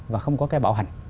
và không có cái bảo hành